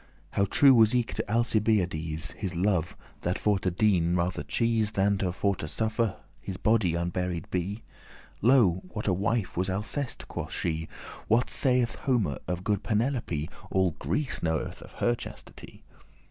How true was eke to Alcibiades His love, that for to dien rather chese,* *chose Than for to suffer his body unburied be? Lo, what a wife was Alceste?" quoth she. "What saith Homer of good Penelope? All Greece knoweth of her chastity.